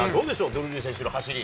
ドルーリー選手の走り。